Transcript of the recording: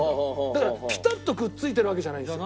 だからピタッとくっついてるわけじゃないんですよ。